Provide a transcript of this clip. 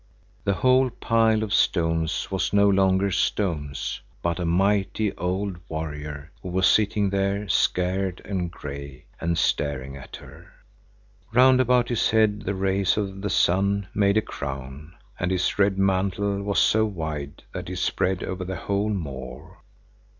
The whole pile of stones was no longer stones, but a mighty, old warrior, who was sitting there, scarred and gray, and staring at her. Round about his head the rays of the sun made a crown, and his red mantle was so wide that it spread over the whole moor.